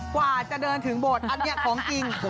กว่าจะเดินถึงโบสถ์อันนี้ของจริง